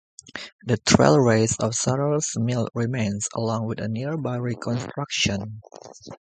The tailrace of Sutter's Mill remains, along with a nearby reconstruction.